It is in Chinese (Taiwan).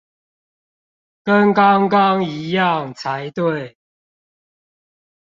跟剛剛一樣才對